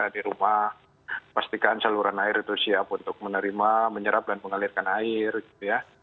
di rumah pastikan saluran air itu siap untuk menerima menyerap dan mengalirkan air gitu ya